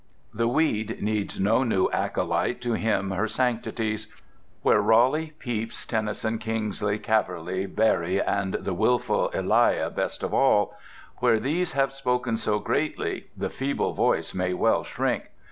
The weed needs no new acolyte to hymn her sanctities. Where Raleigh, Pepys, Tennyson, Kingsley, Calverley, Barrie, and the whimful Elia best of all—where these have spoken so greatly, the feeble voice may well shrink.